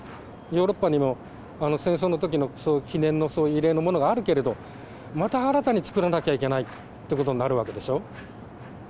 ヨーロッパにも戦争のときのそういうきねんの、慰霊のものがあるけど、また新たに作らなきゃいけないってことになるわけでしょう。